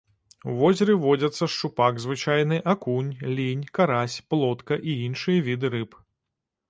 У возеры водзяцца шчупак звычайны, акунь, лінь, карась, плотка і іншыя віды рыб.